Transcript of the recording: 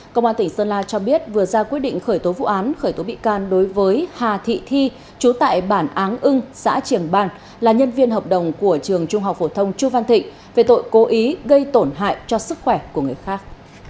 công an tỉnh sơn la cho biết vừa ra quyết định khởi tố vụ án khởi tố bị can đối với hà thị thi chú tại bản áng ưng xã triềng ban là nhân viên hợp đồng của trường trung học phổ thông chu văn thịnh về tội cố ý gây tổn hại cho sức khỏe của người khác